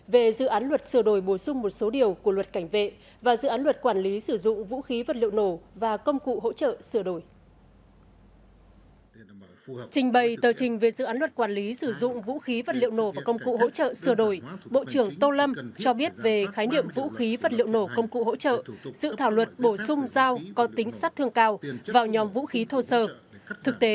về dự án luật sửa đổi bổ sung một số điều của luật cảnh vệ